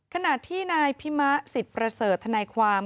ขณะที่นายพิมะสิทธิ์ประเสริฐทนายความ